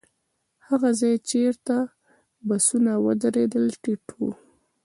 هغه ځای چېرته چې بسونه ودرېدل ټيټ و.